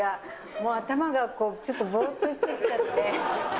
もう頭がちょっとぼーっとしてきちゃって。